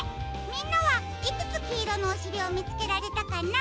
みんなはいくつきいろのおしりをみつけられたかな？